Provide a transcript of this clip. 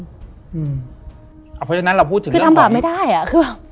เพราะฉะนั้นเราพูดถึงเรื่องของ